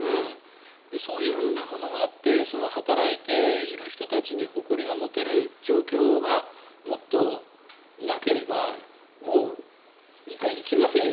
そういうものがあって働いている人たちに誇りが持てる状況がもっとなければもう行きませんよ。